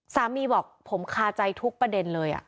บอกผมคาใจทุกประเด็นเลย